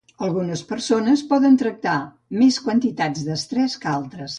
Algunes persones poden tractar amb més quantitats d'estrès que altres